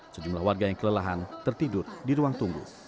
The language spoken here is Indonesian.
sejumlah warga yang kelelahan tertidur di ruang tunggu